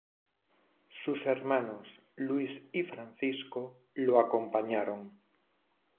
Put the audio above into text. Su hermanos Luis y Francisco lo acompañaron.